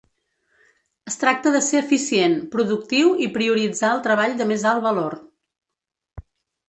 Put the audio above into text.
Es tracta de ser eficient, productiu i prioritzar el treball de més alt valor.